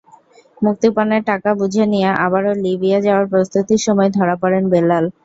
মুক্তিপণের টাকা বুঝে নিয়ে আবারও লিবিয়া যাওয়ার প্রস্তুতির সময় ধরা পড়েন বেলাল।